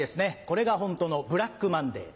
これがホントのブラックマンデー。